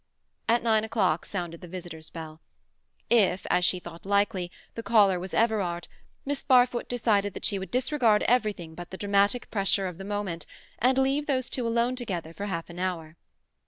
At nine o'clock sounded the visitor's bell. If, as she thought likely, the caller was Everard, Miss Barfoot decided that she would disregard everything but the dramatic pressure of the moment, and leave those two alone together for half an hour.